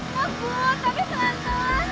tapi pelan pelan bang